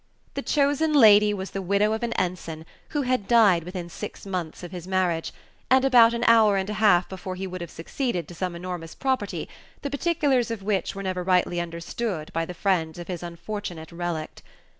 The chosen lady was the widow of an ensign who had died within six months of his marriage, and about an hour and a half before he would have succeeded to some enormous property, the particulars of which were never rightly understood by the friends of his unfortunate relict.